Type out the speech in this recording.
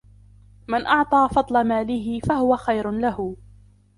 مَنْ أَعْطَى فَضْلَ مَالِهِ فَهُوَ خَيْرٌ لَهُ